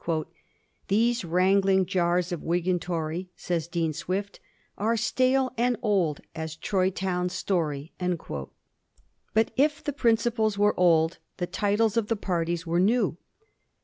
^ These wrangling jars of Whig and Tory,' says Dean Swift, * are stale and old as Troy town story.' But if the principles were old the titles of the parties were new.